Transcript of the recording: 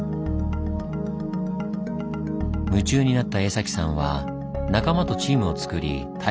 夢中になった江崎さんは仲間とチームを作り大会にも出場。